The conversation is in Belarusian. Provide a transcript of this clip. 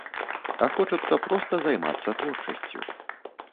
А хочацца проста займацца творчасцю.